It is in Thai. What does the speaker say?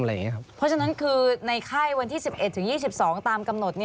เพราะฉะนั้นคือในไข้วันที่๑๑๒๒ตามกำหนด